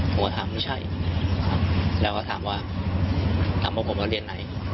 ถามว่าไม่ใช่เราก็ก็ถามว่าผมเรียนไหน